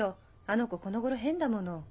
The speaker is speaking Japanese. あの子この頃変だもの。